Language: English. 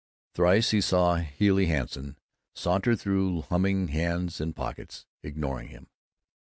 Thrice he saw Healey Hanson saunter through, humming, hands in pockets, ignoring him.